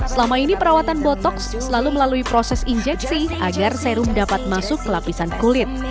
selama ini perawatan botoks selalu melalui proses injeksi agar serum dapat masuk ke lapisan kulit